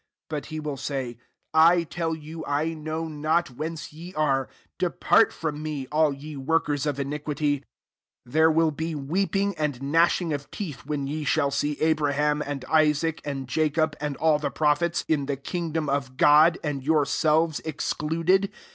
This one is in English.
27 But fc« will say, * I tell you, I know bftt whence ye are ; depart from Bie, all ye workers of iniquity/ 28 «' There will be weeping and gnashing of teeth, when ye shall see Abraham, and Isaac, and Jacob, and all the prophets, in the kingdom of God, and yourselves excluded.